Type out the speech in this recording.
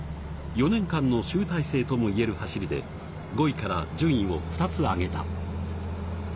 ４年間の集大成ともいえる走りで５位から順位を２つ上げた。